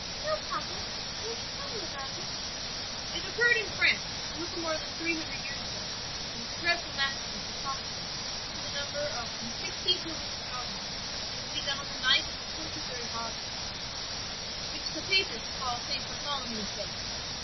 "No, papa; won't you tell me about it?" "It occurred in France a little more than three hundred years ago; it was a dreadful massacre of the Protestants to the number of from sixty to a hundred thousand; and it was begun on the night of the twenty third of August; which the Papists call St. Bartholomew's Day.